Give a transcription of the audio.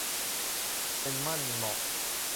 เป็นมั่นเหมาะ